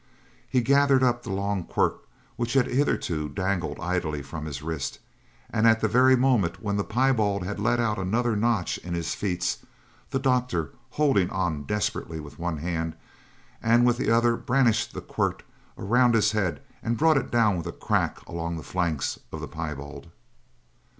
He gathered up the long quirt which had hitherto dangled idly from his wrist, and at the very moment when the piebald had let out another notch in his feats, the doctor, holding on desperately with one hand, with the other brandished the quirt around his head and brought it down with a crack along the flanks of the piebald.